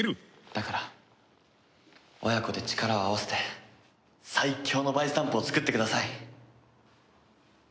だから親子で力を合わせて最強のバイスタンプを作ってください。